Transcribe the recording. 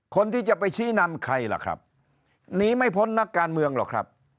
คนที่จะไปชี้นำใครล่ะครับหนีไม่พ้นนักการเมืองหรอกครับ